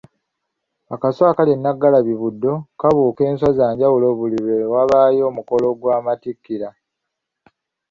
Akaswa akali e Nnaggalabi Buddo kabuuka enswa za njawulo buli lwe wabaayo omukolo gw'amatikkira.